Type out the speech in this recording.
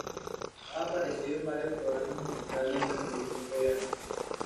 Ha aparecido en varios programas musicales en la televisión coreana.